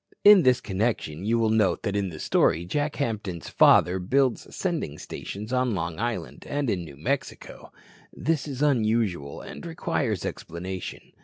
In this connection, you will note that in the story Jack Hampton's father builds sending stations on Long Island and in New Mexico. This is unusual and requires explanation.